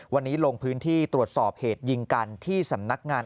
วันนี้ลงพื้นที่ตรวจสอบเหตุยิงกันที่สำนักงาน